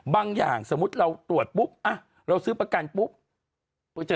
อย่างสมมุติเราตรวจปุ๊บอ่ะเราซื้อประกันปุ๊บ